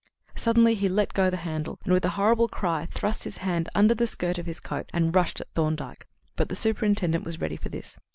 Suddenly he let go the handle, and with a horrible cry thrust his hand under the skirt of his coat and rushed at Thorndyke. But the superintendent was ready for this.